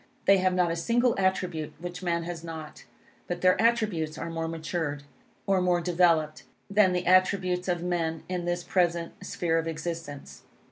They have not a single attribute which man has not. But their attributes are more matured, or more developed, than the attributes of men in this present sphere of existence.